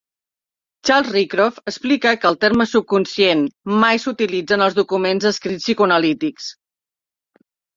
Charles Rycroft explica que el terme subconscient "mai s'utilitza en els documents escrits psicoanalítics".